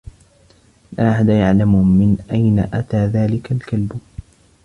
لا أحد يعلم من أين أتى ذلك الكلب.